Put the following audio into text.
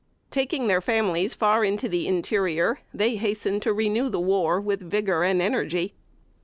Taking their families far into the interior, they hastened to renew the war with vigor and energy.